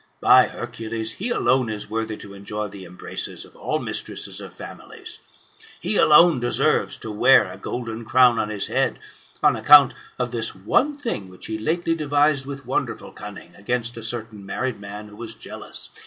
By Hercules, he alone is worthy to enjoy the embraces of all mistresses of families; he alone deserves to wear a golden crown on his head, on account of this one thing which he lately devised with wonderful cunning against a certain married man who was jealous.